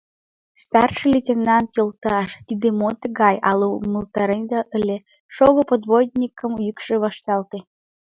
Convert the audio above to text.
— Старший лейтенант йолташ, тиде мо тыгай, ала умылтареда ыле? — шоҥго подводникын йӱкшӧ вашталте.